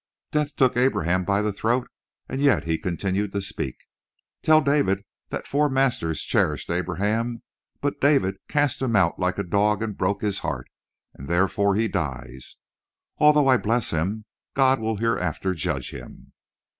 "Death took Abraham by the throat, and yet he continued to speak. 'Tell David that four masters cherished Abraham, but David cast him out like a dog and broke his heart, and therefore he dies. Although I bless him, God will hereafter judge him!'"